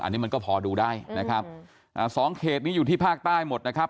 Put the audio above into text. อันนี้มันก็พอดูได้นะครับอ่าสองเขตนี้อยู่ที่ภาคใต้หมดนะครับ